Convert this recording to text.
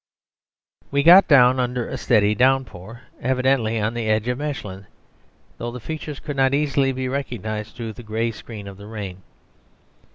We got down, under a steady downpour, evidently on the edge of Mechlin, though the features could not easily be recognised through the grey screen of the rain.